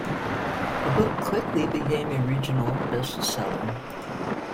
The book quickly became a regional bestseller.